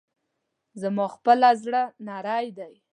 زما پخپله زړه نری دی.